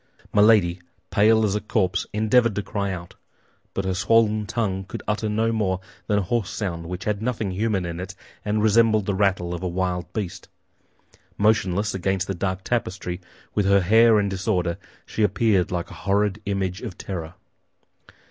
Milady, pale as a corpse, endeavored to cry out; but her swollen tongue could utter no more than a hoarse sound which had nothing human in it and resembled the rattle of a wild beast. Motionless against the dark tapestry, with her hair in disorder, she appeared like a horrid image of terror.